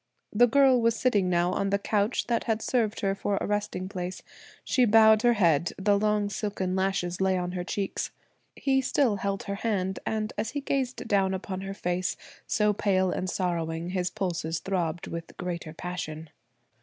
The girl was sitting now on the couch that had served her for a resting place. She bowed her head; the long silken lashes lay on her cheeks. He still held her hand; and as he gazed down upon her face, so pale and sorrowing, his pulses throbbed with greater passion.